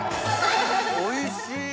おいしい！